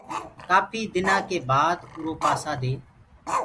ڪآڦي دنآ ڪي بآد اُرو پآسآ دي